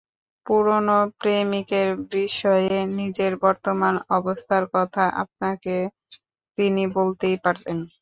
পুরোনো প্রেমিকের বিষয়ে নিজের বর্তমান অবস্থার কথা আপনাকে তিনি বলতেই পারেন।